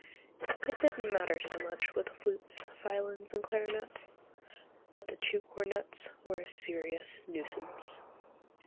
It didn't matter so much with the flutes, violins, and clarionet; but the two cornets were a serious nuisance.